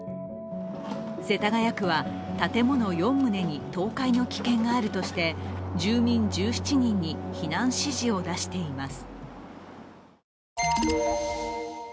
世田谷区は、建物４棟に倒壊の危険があるとして住民１７人に避難指示を出しています。